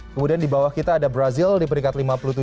kemudian di bawah kita ada brazil di peringkat lima puluh tujuh